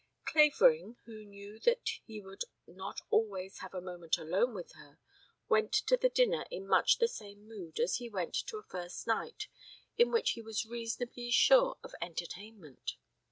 Clavering, who knew that he would not have a moment alone with her, went to the dinner in much the same mood as he went to a first night at which he was reasonably sure of entertainment.